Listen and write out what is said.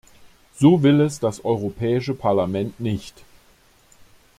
So will es das Europäische Parlament nicht!